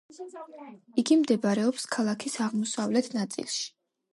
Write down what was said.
იგი მდებარეობს ქალაქის აღმოსავლეთ ნაწილში.